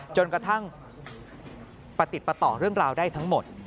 จนกระทั่งประติดประต่อเรื่องราวได้ทั้งหมด